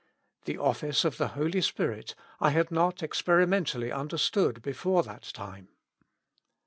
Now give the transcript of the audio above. The office of the Holy Spirit I had not experimentally understood before that time.